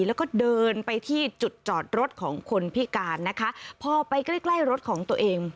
แล้วก็เดินไปที่จุดจอดรถของคนพิการนะคะพอไปใกล้ใกล้รถของตัวเอง